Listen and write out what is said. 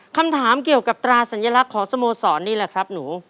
คำถามเกี่ยวกับตราสัญลักษณ์ของสโมสรนี่แหละครับหนู